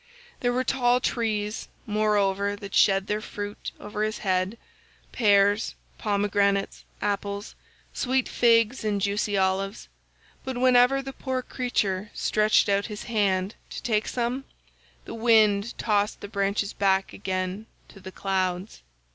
There were tall trees, moreover, that shed their fruit over his head—pears, pomegranates, apples, sweet figs and juicy olives, but whenever the poor creature stretched out his hand to take some, the wind tossed the branches back again to the clouds.